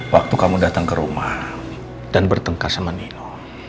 waktu kamu datang ke rumah dan bertengkar sama nilo